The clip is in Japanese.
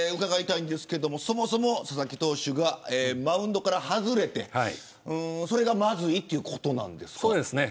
そもそも佐々木投手がマウンドから外れてそれがまずいということなんですか。